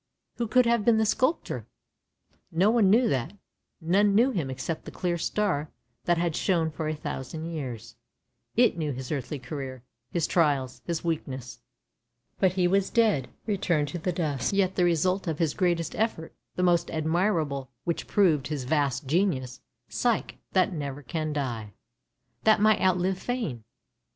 Who could have been the sculptor? No one knew that — none knew him except the clear star that had shone for a thousand years; it knew his earthly career, his trials, his weak ness. But he was dead, returned to the dust. Yet the result of his greatest effort, the most admirable, which proved his vast genius — Psyche — that never can die; that might outlive fame.